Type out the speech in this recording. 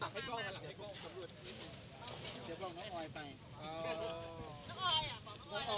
กร่องอยู่เยอะ